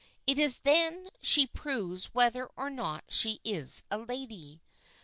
It is then that she proves whether or not she is a lady.